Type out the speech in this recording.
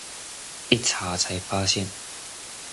一查才發現